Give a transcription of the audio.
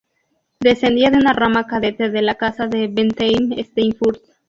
Descendía de una rama cadete de la Casa de Bentheim-Steinfurt.